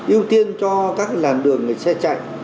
ưu tiên cho các làn đường xe chạy